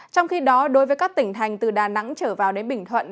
trong khi đó đối với các tỉnh thành từ đà nẵng trở vào đến bình thuận